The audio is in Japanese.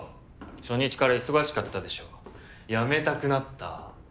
初日から忙しかったでしょ辞めたくなった？